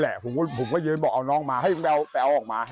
ละละผมก็ยื้นบอกเอาน้องมาไว่ออกมา